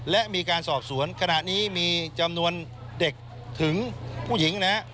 และมีการสอบสวนขณะนี้มีจำนวนเด็กถึงผู้หญิงนะฮะ